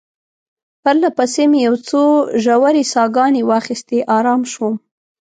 پرله پسې مې یو څو ژورې ساه ګانې واخیستې، آرام شوم.